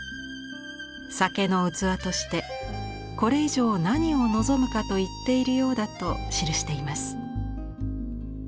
「酒の器としてこれ以上何を望むかと言っているようだ」と記しています。